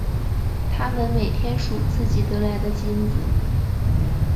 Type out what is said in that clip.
他们每天数自己得来的金子。